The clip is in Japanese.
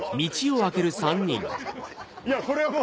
いやこれはもう。